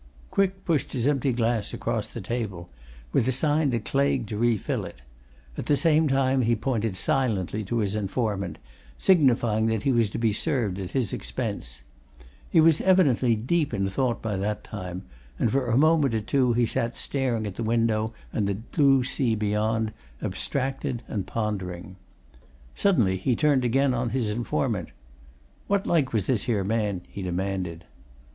Quick pushed his empty glass across the table, with a sign to Claigue to refill it; at the same time he pointed silently to his informant, signifying that he was to be served at his expense. He was evidently deep in thought by that time, and for a moment or two he sat staring at the window and the blue sea beyond, abstracted and pondering. Suddenly he turned again on his informant. "What like was this here man?" he demanded.